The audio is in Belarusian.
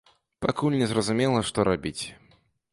Пакуль не зразумела, што рабіць.